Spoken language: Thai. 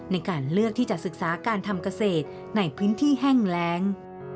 ในการเลือกที่จะศึกษาการทำเกษตรในพื้นที่แห้งแรง